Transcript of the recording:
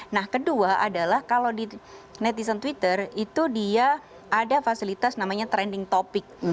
nah kedua adalah kalau di netizen twitter itu dia ada fasilitas namanya trending topic